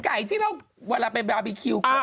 ที่เราเวลาไปบาร์บีคิว